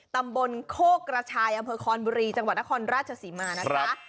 ตำบลโฆกรชายอำเภอคอนบรีจังหวานธครราชศีมานะคะ